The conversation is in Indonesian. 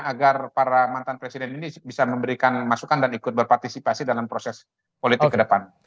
agar para mantan presiden ini bisa memberikan masukan dan ikut berpartisipasi dalam proses politik ke depan